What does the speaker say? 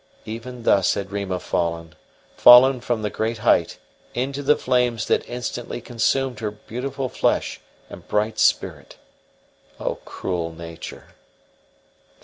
Even thus had Rima fallen fallen from the great height into the flames that instantly consumed her beautiful flesh and bright spirit! O cruel Nature!